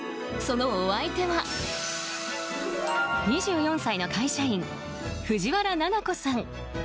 そのお相手は、２４歳の会社員藤原ななこさん。